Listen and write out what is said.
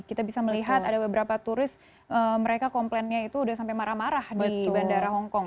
kita bisa melihat ada beberapa turis mereka komplainnya itu sudah sampai marah marah di bandara hongkong